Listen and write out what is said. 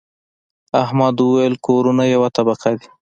احمد وويل: کورونه یوه طبقه دي.